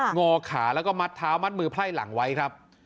งอขาแล้วก็มัดเท้ามัดมือไพร่หลังไว้ครับ